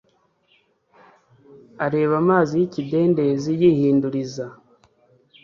areba amazi y'ikidendezi yihinduriza.